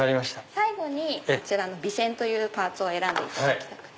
最後にこちらの尾栓というパーツを選んでいただきたくて。